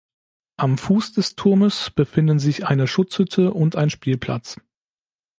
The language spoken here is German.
Am Fuß des Turmes befinden sich eine Schutzhütte und ein Spielplatz.